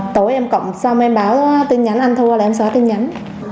tối em cộng xong em báo tin nhắn anh thu là em xóa tin nhắn